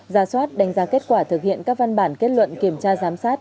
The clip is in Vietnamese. ra soát đánh giá kết quả thực hiện các văn bản kết luận kiểm tra giám sát